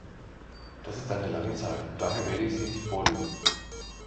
Das ist eine lange Zeit, und daher werde ich sie nicht vorlesen.